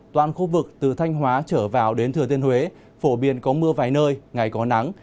toàn khu vực từ thanh hóa trở vào đến thừa thiên huế phổ biến có mưa vài nơi ngày có nắng